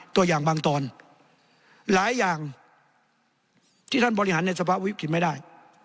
ตัวอย่างบางตอนหลายอย่างที่ท่านบริหารในสภาวิกฤตไม่ได้